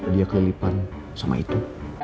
dia kelipan sama itu